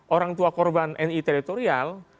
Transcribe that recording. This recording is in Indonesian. orang tua korban ni teritorial